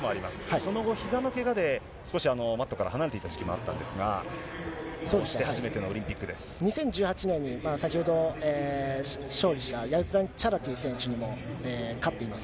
その後、ひざのけがで、少しマットから離れていた時期もあったんですが、初めてのオリンピックで２０１８年に、先ほど、勝利したヤズダニチャラティ選手にも勝っています。